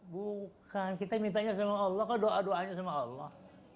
bukan kita mintanya sama allah kok doa doanya sama allah